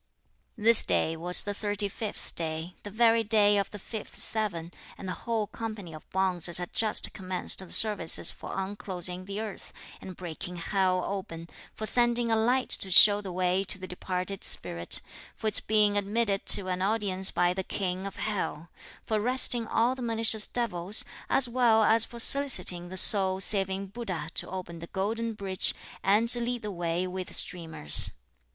This day was the thirty fifth day, the very day of the fifth seven, and the whole company of bonzes had just (commenced the services) for unclosing the earth, and breaking Hell open; for sending a light to show the way to the departed spirit; for its being admitted to an audience by the king of Hell; for arresting all the malicious devils, as well as for soliciting the soul saving Buddha to open the golden bridge and to lead the way with streamers.